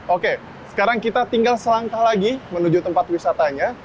oke sekarang kita tinggal selangkah lagi menuju tempat wisatanya